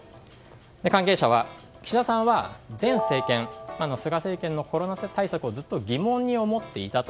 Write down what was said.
関係者は、岸田さんは前政権・菅政権のコロナ対策をずっと疑問に思っていたと。